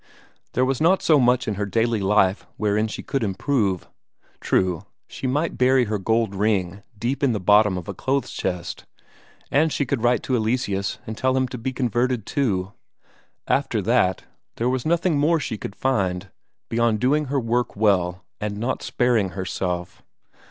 There was not so much in her daily life wherein she could improve; true, she might bury her gold ring deep in the bottom of a clothes chest, and she could write to Eleseus and tell him to be converted too; after that, there was nothing more she could find beyond doing her work well and not sparing herself.